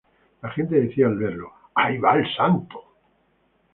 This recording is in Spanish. La gente decía al verlo; "Ahí va el santo".